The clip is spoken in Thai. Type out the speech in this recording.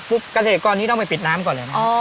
ปุ๊บกระเศษกรณ์นี้ต้องไปปิดน้ำก่อนเลยนะครับ